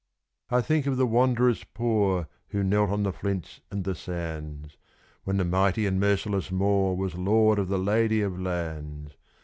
I think of the wanderers poor who knelt on the flints and the sands, When the mighty and merciless Moor was lord of the Lady of Lands.